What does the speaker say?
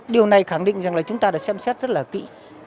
điều này khẳng định rằng là chúng ta đã xem xét rất là kỹ